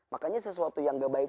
makanya sesuatu yang gak baik